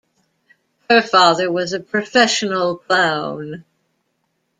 Her father was a professional clown.